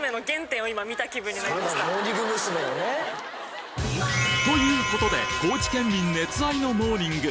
モーニング娘。のね。ということで高知県民熱愛のモーニング